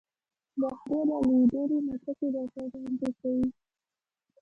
له خولې را لویدلې مچکې درته وړاندې کوې